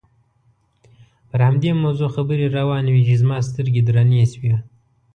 پر همدې موضوع خبرې روانې وې چې زما سترګې درنې شوې.